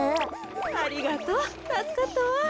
ありがとうたすかったわ。